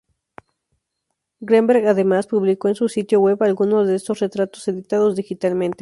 Greenberg, además, publicó en su sitio web algunos de estos retratos editados digitalmente.